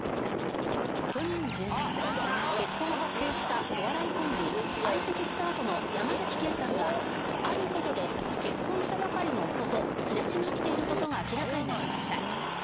去年１０月結婚を発表したお笑いコンビ相席スタートの山ケイさんがある事で結婚したばかりの夫とすれ違っている事が明らかになりました。